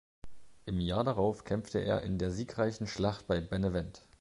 Im Jahr darauf kämpfte er in der siegreichen Schlacht bei Benevent.